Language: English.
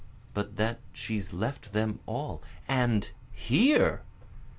But that she's left them all and here?